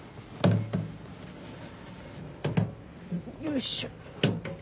よいしょ。